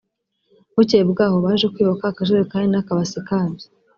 Bukeye bwaho baje kwiba ka kajerikani n’akabasi kabyo